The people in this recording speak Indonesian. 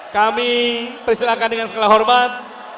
kami persilahkan dengan segala hormat